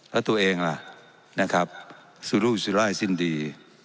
แล้วตัวเองล่ะนะครับสุรุสุรายสิ้นดี